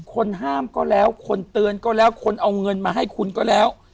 คนห้ามก็แล้วคนเตือนก็แล้วคนเอาเงินมาให้คุณก็แล้ว